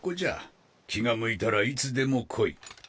気が向いたらいつでも来い。